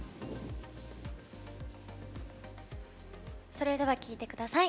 それでは聴いてください。